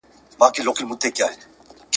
څو کوتري یې وې ښکار لره روزلي !.